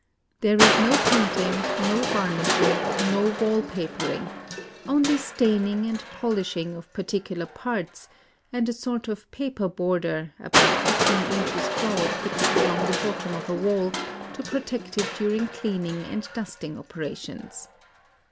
There is no painting, no varnishing, IN OSAKA 177 no wall papering, — only staining and polishing of particular parts, and a sort of paper border about fifteen inches broad fixed along the bottom of a wall to protect it during clean ing and dusting operations.